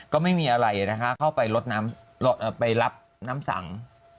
ก็ไม่มีอะไรนะคะเข้าไปรถน้ำไปรับน้ำสั่ง